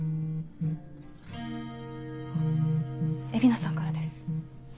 蝦名さんからです。